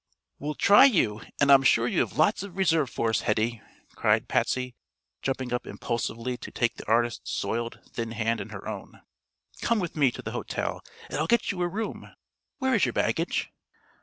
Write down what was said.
"We'll try you; and I'm sure you have lots of reserve force, Hetty," cried Patsy, jumping up impulsively to take the artist's soiled, thin hand in her own. "Come with me to the hotel and I'll get you a room. Where is your baggage?"